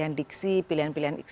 bagaimana pilihan pilihan diksi